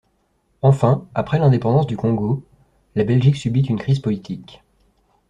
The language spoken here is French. Enfin, après l'indépendance du Congo, la Belgique subit une crise politique.